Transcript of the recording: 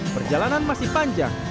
perjalanan masih panjang